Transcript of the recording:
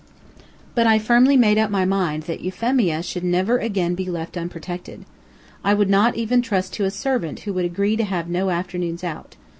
But I firmly made up my mind that Euphemia should never again be left unprotected. I would not even trust to a servant who would agree to have no afternoons out.